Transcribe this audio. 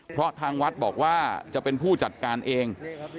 เพราะทางวัดบอกว่าจะเป็นผู้จัดการเอง